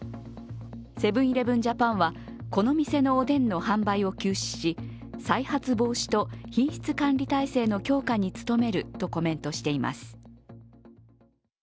セブン−イレブン・ジャパンは、この店のおでんの販売を休止し、再発防止と品質管理体制の強化に努めるとコメントしています。